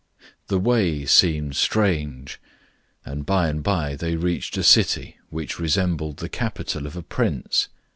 The way seemed strange, and by and by they reached a city which resembled the capital of a prince.